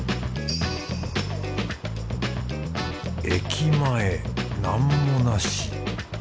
駅前なんもなし。